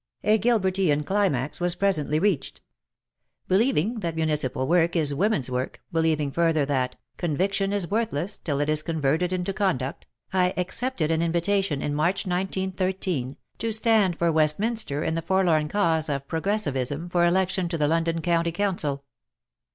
A Gilbertian climax was presently reached. Believing that municipal work is women's work, believing further that ''Con viction is worthless till it is converted into Conduct," I accepted an invitation, in March 1913, to stand for Westminster in the forlorn cause of Progressivism for election to the London County Council.